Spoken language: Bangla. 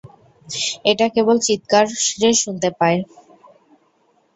এটা কেবল চিৎকারে শুনতে পায়।